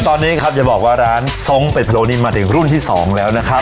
ตอนนี้ครับอย่าบอกว่าร้านทรงเป็ดพะโลนี่มาถึงรุ่นที่๒แล้วนะครับ